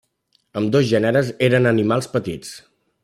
Ambdós gèneres eren animals petits.